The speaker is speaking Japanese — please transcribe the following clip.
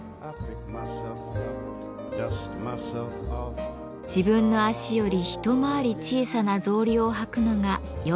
自分の足より一回り小さな草履を履くのが良いとされています。